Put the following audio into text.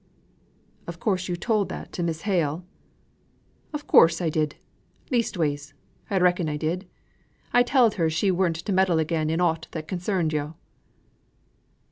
"Of course you told that to Miss Hale?" "In coorse I did. Leastways, I reckon I did. I telled her she weren't to meddle again in aught that concerned yo'."